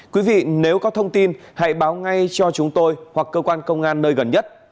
quý vị nếu có thông tin hãy báo ngay cho chúng tôi hoặc cơ quan công an nơi gần nhất